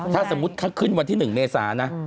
ถ้าสมมุติเขาขึ้นวันที่๑เมษานะ